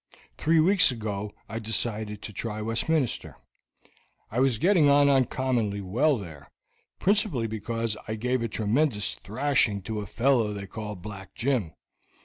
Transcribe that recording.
Three weeks ago I decided to try Westminster. I was getting on uncommonly well there, principally because I gave a tremendous thrashing to a fellow they call Black Jim.